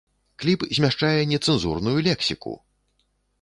Кліп змяшчае нецэнзурную лексіку!